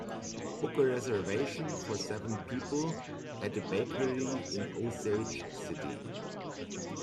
Book a reservation for seven people at a bakery in Osage City